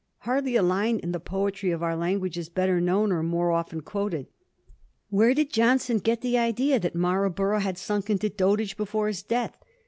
Hardly a line in the poetry of our language is better known or more often quoted. Where did Johnson get the idea that Marlborough had sunk into dotage before his death